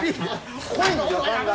恋の予感が。